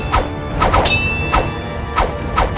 bawa suatu tanah air